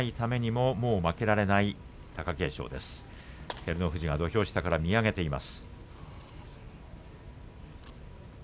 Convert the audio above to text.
照ノ富士が土俵下から見上げています。